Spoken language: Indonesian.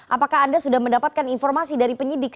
apakah anda sudah mendapatkan informasi dari penyidik